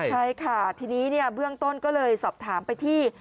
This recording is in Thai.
ใช่ค่ะทีนี้เบื้องต้นก็เลยสอบถามไปที่